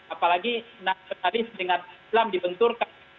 apalagi nasionalis dengan islam dibenturkan